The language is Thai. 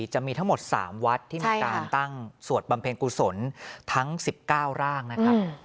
จะมีทั้งหมด๓วัดที่มีการตั้งสวดบำเพ็ญกุศลทั้ง๑๙ร่างนะครับ